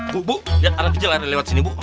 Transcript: bu bu lihat ada kejar lari lewat sini bu